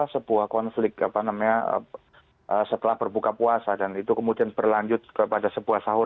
sebuah konflik apa namanya setelah berbuka puasa dan itu kemudian berlanjut kepada sebuah sahur